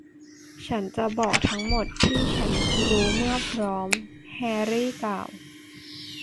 ฉันจะบอกทั้งหมดที่ฉันรู้เมื่อพร้อม แฮร์รี่กล่าว